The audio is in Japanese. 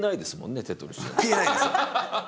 消えないですよ。